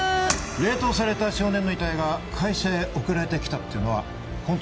冷凍された少年の遺体が会社へ送られて来たっていうのは本当ですか？